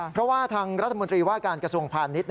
เพราะว่าทางรัฐมนตรีว่าการกระทรวงพาณิชย์